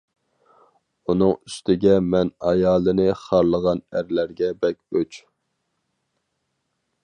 ئۇنىڭ ئۈستىگە مەن ئايالىنى خارلىغان ئەرلەرگە بەك ئۆچ!